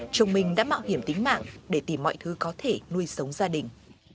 chồng mình đã mạo hiểm tính mạng để tìm mọi thứ có thể nuôi sống gia đình